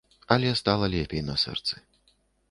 Але стала лепей на сэрцы.